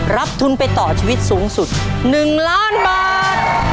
รับทุนไปต่อชีวิตสูงสุด๑ล้านบาท